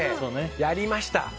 やりました。